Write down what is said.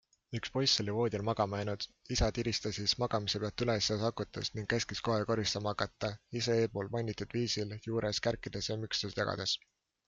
Üks poiss oli voodile magama jäänud - isa tiris ta siis magamise pealt üles ja sakutas ning käskis kohe koristama hakata, ise eelpoolmainitud viisil juures kärkides ja müksusid jagades.